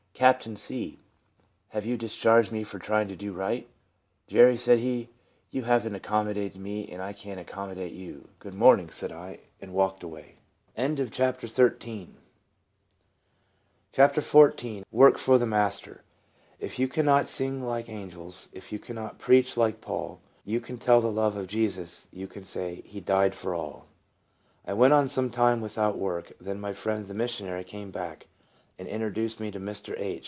" Captain C, have you discharged me for trying to do right ?"" Jerry," said he, " you have n't accommo dated me, and I can't accommodate you." " Good morning," said I, and walked away. 60 TRANSFORMED. CHAPTER XIV. V/ORK FOR THE MASTER. " If you cannot sing like angels, If you cannot preach like Paul, You can tell the love of Jesus, You can say, ' He died for all.' " I WENT on some time without work ; then my friend the missionary came back, and introduced me to Mr. H.